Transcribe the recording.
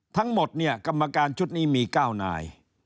ทั้งหมดเนี่ยกรรมการชุดนี้มี๙นาย